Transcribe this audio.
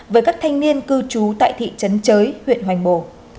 với các thanh niên cư trú tại thị trấn chới huyện hoành bồ